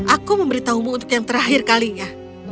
aku memberitahumu untuk yang terakhir kalinya